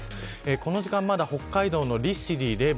この時間まだ北海道の利尻、礼文